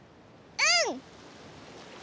うん？